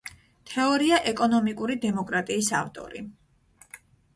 თეორია „ეკონომიკური დემოკრატიის“ ავტორი.